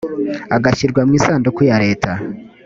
agashyirwa mu isanduku ya leta